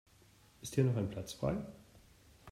Ist hier noch ein Platz frei?